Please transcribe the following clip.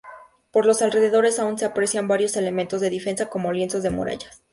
Por los alrededores aún se aprecian varios elementos de defensa como lienzos de murallas.